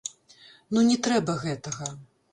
Ну не трэба гэтага.